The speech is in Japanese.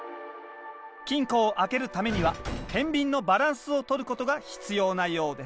金庫を開けるためにはてんびんのバランスを取ることが必要なようです